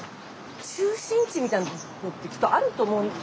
中心地みたいな所ってきっとあると思うんです。